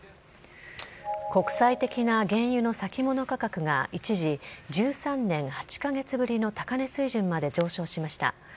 国際的な原油の先物価格が一時、１３年８か月ぶりの高値水準まで上昇しました。